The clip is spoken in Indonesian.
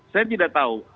saya tidak tahu